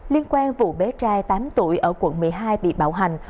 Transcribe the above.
liên quan vụ bé trai tám tuổi ở quận một mươi hai bị bạo hành